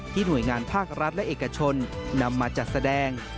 หน่วยงานภาครัฐและเอกชนนำมาจัดแสดง